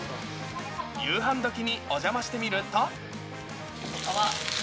夕飯どきにお邪魔してみると。